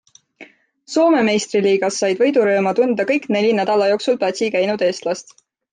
Soome meistriliigas said võidurõõmu tunda kõik neli nädala jooksul platsil käinud eestlast.